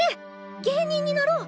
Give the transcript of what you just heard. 芸人になろう！